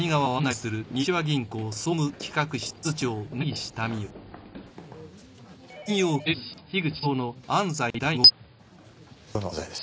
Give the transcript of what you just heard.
はい。